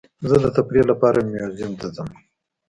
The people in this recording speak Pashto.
زه د تفریح لپاره میوزیم ته ځم.